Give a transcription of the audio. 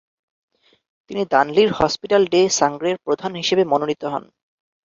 তিনি দানলির হসপিটাল ডে সাংগ্রের প্রধান হিসেবে মনোনীত হন।